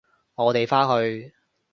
我哋返去！